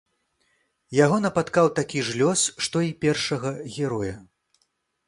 Яго напаткаў такі ж лёс, што і першага героя.